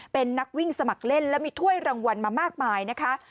เป็นนักวิ่งสมัครเล่นและมีถ้วยรางวัลมามากมายนะคะ